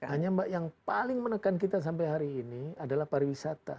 hanya mbak yang paling menekan kita sampai hari ini adalah pariwisata